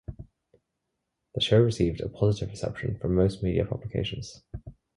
The show received a positive reception from most media publications.